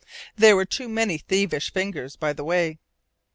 There were too many thievish fingers by the way.